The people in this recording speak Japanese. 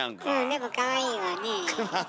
でもかわいいわねえ。